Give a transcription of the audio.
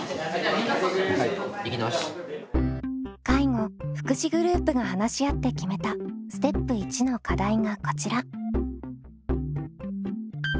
介護・福祉グループが話し合って決めたステップ１の課題がこちら。